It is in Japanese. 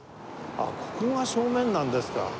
あっここが正面なんですか。